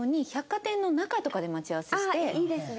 ああいいですね。